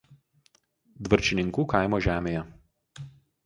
Dvarčininkų kaimo žemėje.